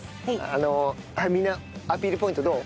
あのみんなアピールポイントどう？